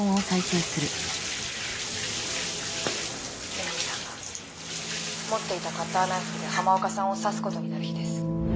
江波さんが持っていたカッターナイフで浜岡さんを刺すことになる日です。